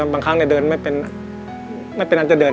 บางครั้งเดินไม่เป็นอันจะเดิน